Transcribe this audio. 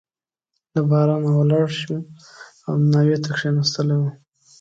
له بارانه ولاړ شوی او ناوې ته کښېنستلی وو.